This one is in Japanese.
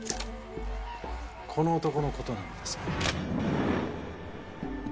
この男の事なんですが。